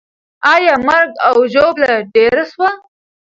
آیا مرګ او ژوبله ډېره سوه؟